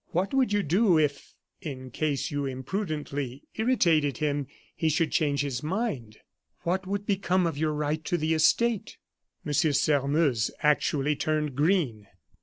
What would you do if, in case you imprudently irritated him, he should change his mind? What would become of your right to the estate?" M. Sairmeuse actually turned green.